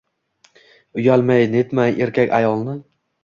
Uyalmay- netmay erkak ayolni